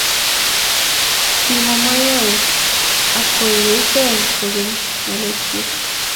Kimwa Mayowe ak kowekyikei kokeny ng'alekchich